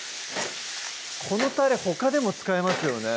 このたれほかでも使えますよね